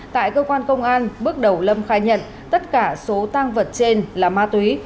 tại cơ quan công an bước đầu lâm khai nhận tất cả số tang vật trên là ma túy